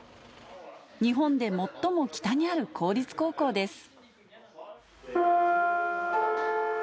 日本で最も北にある公立高校です。